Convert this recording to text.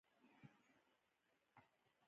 ستا نوم څه دی ؟